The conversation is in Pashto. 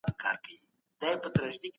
هیڅوک حق نه لري چي د بل چا ټلیفون غلا کړي.